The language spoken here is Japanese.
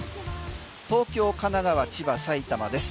東京、神奈川、千葉、埼玉です。